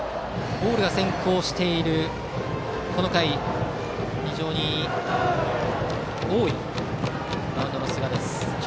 ボールが先行している非常に多いマウンドの寿賀です。